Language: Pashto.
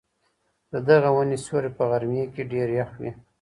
د دغې وني سیوری په غرمې کي ډېر یخ وي.